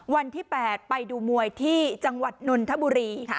วันที่๘ไปดูมวยที่จังหวัดนนทบุรี